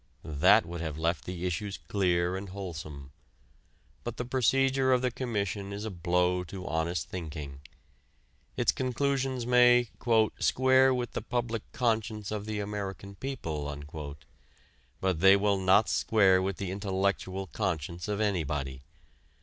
That would have left the issues clear and wholesome. But the procedure of the Commission is a blow to honest thinking. Its conclusions may "square with the public conscience of the American people" but they will not square with the intellectual conscience of anybody.